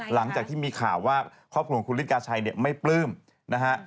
หลังจากที่มีข่าวว่าครอบครัวของคุณฤทกาชัยเนี่ยไม่ปลื้มนะฮะ